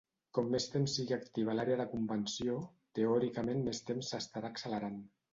Com més temps sigui activa l'àrea de convecció, teòricament més temps s'estarà accelerant.